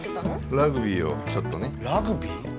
ラグビーをちょっとねラグビー？